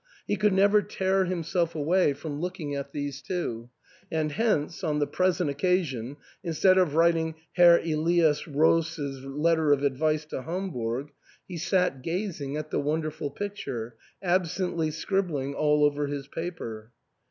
He could never tear himself away from looking at these two ; and hence, on the present occasion, instead of writing Herr Elias Roos's letter of advice to Hamburg, he sat gazing at the wonderful picture, absently scribbling all over his paper.